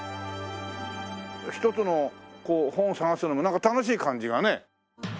一つの本を探すのもなんか楽しい感じがね。